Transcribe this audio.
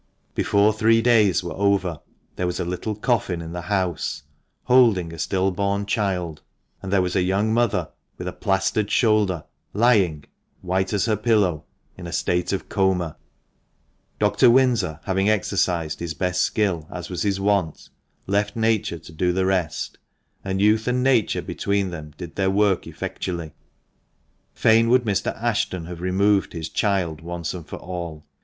Before three days were over there was a little coffin in the house, holding a still born child, and there was a young mother, with a plaistered shoulder, lying, white as her pillow, in a state of coma. Dr. Windsor having exercised his best skill, as was his wont, left nature to do the rest, and youth and nature between them, did their work effectually. Fain would Mr. Ashton have removed his child once and for all.